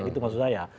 itu maksud saya